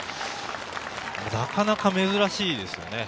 なかなか珍しいですよね。